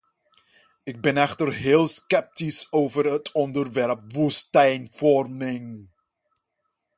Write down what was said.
Ik ben echter heel sceptisch over het onderwerp woestijnvorming.